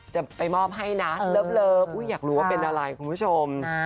จะไปมอบให้นะเลิฟอยากรู้ว่าเป็นอะไรคุณผู้ชม